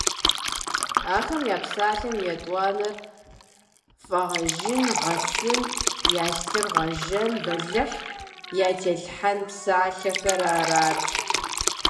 Ахэм я псалъэм етӀуанэр фӀэгъэжын, гъэсын, я лъыр гъэжэн, бэлыхь ятелъхьэн псалъэхэр арат.